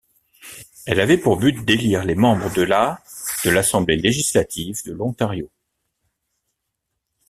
Elle avait pour but d'élire les membres de la de l'Assemblée législative de l'Ontario.